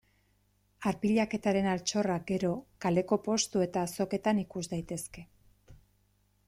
Arpilaketaren altxorrak, gero, kaleko postu eta azoketan ikus daitezke.